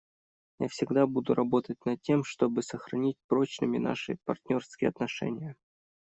Я всегда буду работать над тем, чтобы сохранить прочными наши партнерские отношения.